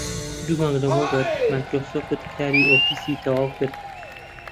دوو مانگ لەمەوبەر مایکرۆسۆفت کاری ئۆفیسی تەواو کرد